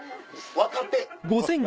分かって。